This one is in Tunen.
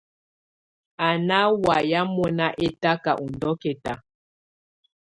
Á ná wayɛ̀á mɔnà ɛtaka ù ndɔkɛ̀ta.